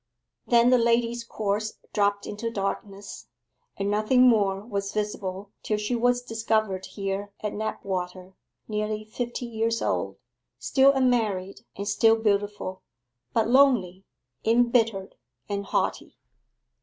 Then the lady's course dropped into darkness, and nothing more was visible till she was discovered here at Knapwater, nearly fifty years old, still unmarried and still beautiful, but lonely, embittered, and haughty.